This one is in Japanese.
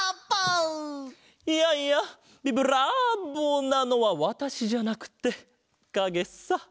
いやいやビブラーボなのはわたしじゃなくてかげさ！